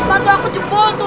sepatu aku jempol tuh